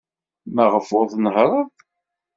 Maɣef ur tnehhṛeḍ?